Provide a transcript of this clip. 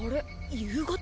夕方？